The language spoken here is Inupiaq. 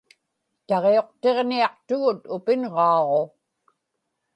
taġiuqtiġniaqtugut upinġaaġu